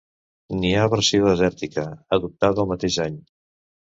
N'hi ha versió desèrtica, adoptada el mateix any.